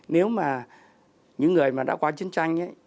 nếu mà những người mà đã qua chiến tranh